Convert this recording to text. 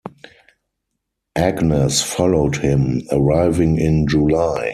Agnes followed him, arriving in July.